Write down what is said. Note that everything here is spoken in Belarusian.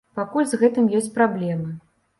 Пакуль з гэтым ёсць праблемы.